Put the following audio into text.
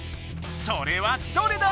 それはどれだ？